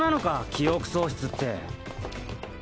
記憶喪失って。